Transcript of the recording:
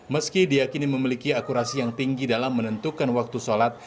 meski diakini memiliki akurasi yang tinggi dalam menentukan waktu sholat